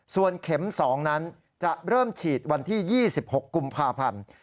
ส่วนเข็ม๒นั้นจะเริ่มฉีดวันที่๒๖กุมภาพันธ์